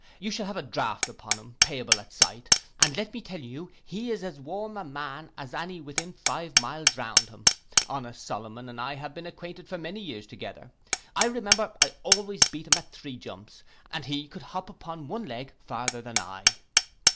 You shall have a draught upon him, payable at sight; and let me tell you he is as warm a man as any within five miles round him. Honest Solomon and I have been acquainted for many years together. I remember I always beat him at threejumps; but he could hop upon one leg farther than I.